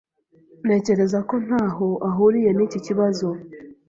Ntekereza ko ntaho ahuriye n'iki kibazo.